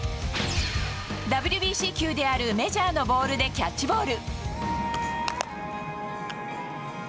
ＷＢＣ球であるメジャーのボールでナイスボール。